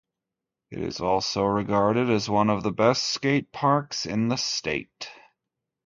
It is also regarded as one of the best skate parks in the state.